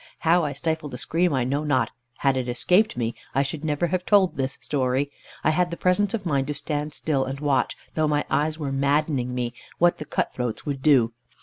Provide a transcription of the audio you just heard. How I stifled a scream I know not; had it escaped me, I should never have told this story. I had the presence of mind to stand still, and watch, though my eyes were maddening me, what the cut throats would do.